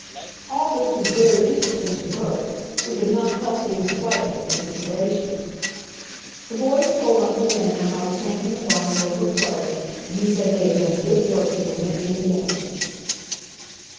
All this was very interesting to Bert, who could not help being frightened at the situation. The boys told Uncle Daniel how the tank in the barn had overflowed, and he said they had done good work to prevent any damage.